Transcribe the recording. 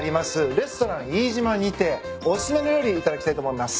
レストランイイジマにてお薦めの料理頂きたいと思います。